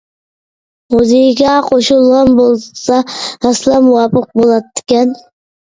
مۇزىكا قوشۇلغان بولسا راسلا مۇۋاپىق بولاتتىكەن.